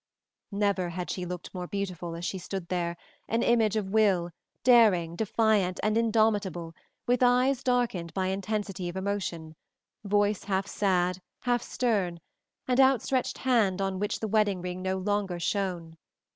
Never had she looked more beautiful as she stood there, an image of will, daring, defiant, and indomitable, with eyes darkened by intensity of emotion, voice half sad, half stern, and outstretched hand on which the wedding ring no longer shone.